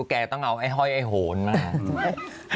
แกต้องเอาไอ้ห้อยไอ้โหนมา